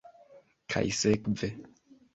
Kaj sekve.